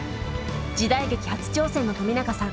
時代劇初挑戦の冨永さん。